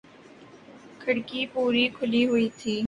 کھڑکی پوری کھلی ہوئی تھی